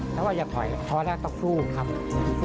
ถ้าว่าอย่าถอยท้อได้ต้องสู้ครับ